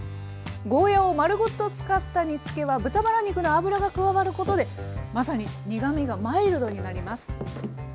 ゴーヤーを丸ごと使った煮つけは豚バラ肉の脂が加わることでまさに苦みがマイルドになります。